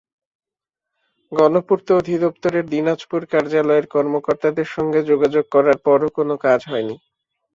গণপূর্ত অধিদপ্তরের দিনাজপুর কার্যালয়ের কর্মকর্তাদের সঙ্গে যোগাযোগ করার পরও কোনো কাজ হয়নি।